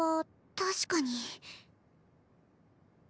確かに。